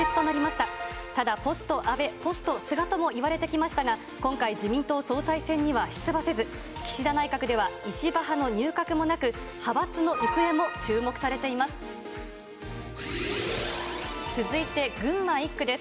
ただ、ポスト安倍、ポスト菅ともいわれてきましたが、今回、自民党総裁選には出馬せず、岸田内閣では石破派の入閣もなく、派閥の行方も注目されています。